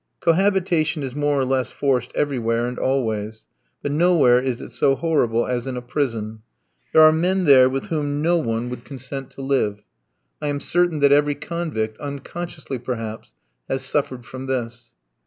Cohabitation is more or less forced everywhere and always; but nowhere is it so horrible as in a prison. There are men there with whom no one would consent to live. I am certain that every convict, unconsciously perhaps, has suffered from this.